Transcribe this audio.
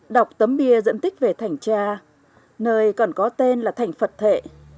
đọc tấm bia dẫn tích về thành cha nơi còn có tên là thành phật thệ